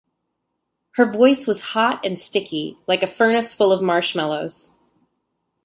Her voice was hot and sticky--like a furnace full of marshmallows.